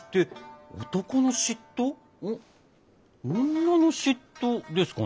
女の嫉妬ですかね？